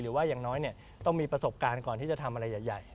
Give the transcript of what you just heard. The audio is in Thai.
หรือว่าอย่างน้อยต้องมีประสบการณ์ก่อนที่จะทำอะไรใหญ่